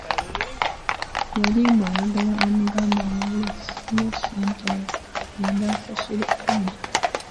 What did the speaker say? Yali mbu ayagala amugambe amuwoleyo ssente agnda asasule Hajji.